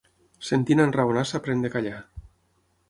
Sentint enraonar s'aprèn de callar.